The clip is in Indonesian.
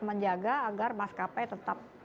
menjaga agar maskapai tetap